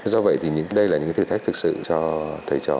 do vậy thì đây là những thử thách thực sự cho thầy trò